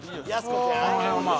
この辺はまぁ。